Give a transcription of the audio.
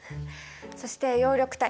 そして葉緑体。